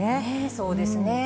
そうですね。